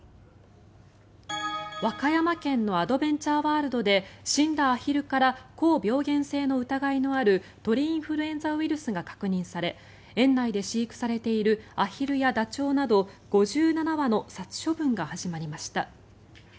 和歌山県のアドベンチャーワールドで死んだアヒルから高病原性の疑いのある鳥インフルエンザウイルスが確認され園内で飼育されているアヒルやダチョウなど５７羽の殺処分が始まりました。